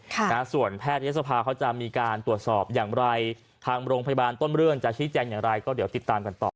ค่ะนะส่วนแพทยศภาเขาจะมีการตรวจสอบอย่างไรทางโรงพยาบาลต้นเรื่องจะชี้แจงอย่างไรก็เดี๋ยวติดตามกันต่อ